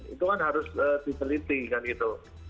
itu kan harus dipelitikan itu